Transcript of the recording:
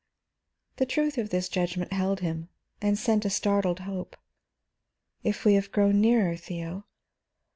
The truth of the judgment held him, and sent a startled hope. "If we have grown nearer, Theo?"